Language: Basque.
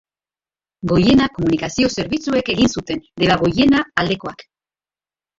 Goiena komunikazio zerbitzuek egin zuten, Deba Goiena aldekoak.